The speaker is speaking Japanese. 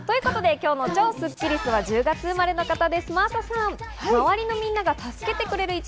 今日の超スッキりすは１０月生まれの方です、真麻さん。